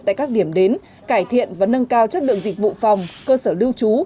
tại các điểm đến cải thiện và nâng cao chất lượng dịch vụ phòng cơ sở lưu trú